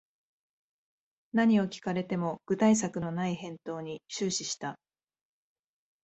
何を聞かれても具体策のない返答に終始した